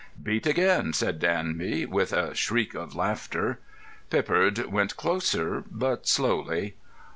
"Beat again!" said Danby, with a shriek of laughter. Pippard went closer, but slowly.